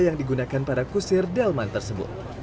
yang digunakan para kusir delman tersebut